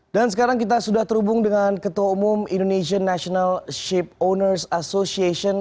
dan sekarang kita sudah terhubung dengan ketua umum indonesian national ship owners association